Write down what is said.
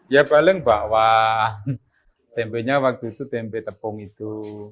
ya paling bawah tempenya waktu itu tempe tepung itu